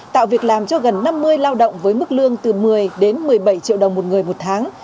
tạo việc làm cho gần năm mươi lao động với mức lương từ một mươi đến một mươi bảy triệu đồng một người một tháng